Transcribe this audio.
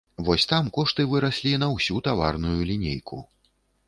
Вось там кошты выраслі на ўсю таварную лінейку.